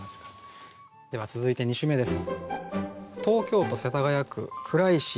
では続いて２首目です。